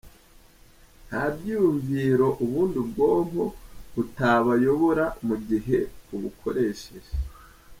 Nta byiyumviro ubundi ubwonko butabayobora mu gihe ubukoresheje.